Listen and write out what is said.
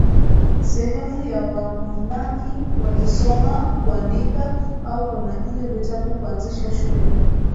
sehemu ya wamonaki walisoma kuandika au kunakili vitabu kuanzisha shule